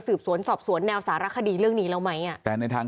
สืบสวนสอบสวนแนวสารคดีเรื่องนี้แล้วไหมอ่ะแต่ในทาง